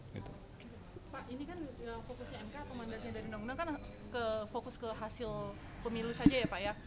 pak ini kan fokusnya mk atau mandatnya dari undang undang kan fokus ke hasil pemilu saja ya pak ya